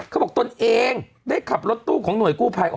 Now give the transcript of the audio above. ตนเองได้ขับรถตู้ของหน่วยกู้ภัย